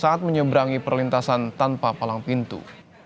saat menyeberangi perlintasan tanpa palang pintu